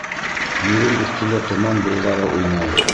Еҙем өҫтөндә томан быуҙары уйнай.